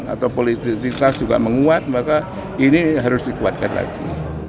atau politikitas juga menguat maka ini harus dikuatkan lagi